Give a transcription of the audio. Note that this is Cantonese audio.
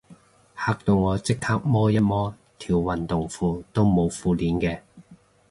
嚇到我即刻摸一摸，條運動褲都冇褲鏈嘅